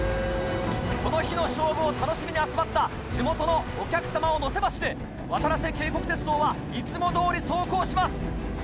この日の勝負を楽しみに集まった地元のお客さまを乗せましてわたらせ渓谷鐵道はいつもどおり走行します。